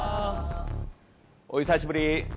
お久しぶり。